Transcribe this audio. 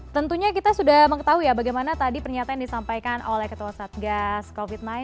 tentunya kita sudah mengetahui ya bagaimana tadi pernyataan disampaikan oleh ketua satgas covid sembilan belas